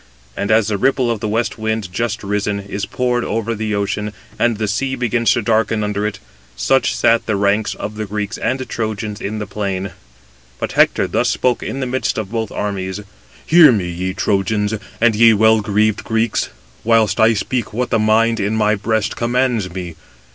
And as the ripple of the west wind, just risen, is poured over the ocean, and the sea begins to darken under it, such sat the ranks of the Greeks and Trojans in the plain: but Hector thus spoke in the midst of both armies: "Hear me, ye Trojans, and ye well greaved Greeks, whilst I speak what the mind in my breast commands me.